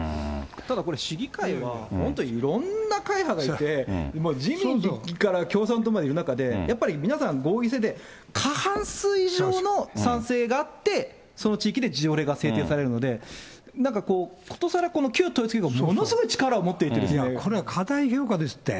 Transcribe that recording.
ただこれ、市議会は、本当、いろんな会派がいて、自民から共産党までいる中で、やっぱり皆さん、合議制で、過半数以上の賛成があって、その地域で条例が制定されるので、なんかこう、ことさら旧統一教会がものすごい力を持っていこれは過大評価ですって。